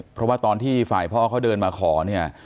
เพราะว่าตอนที่ฝ่ายพ่อเขาเดินมาขอเนี่ย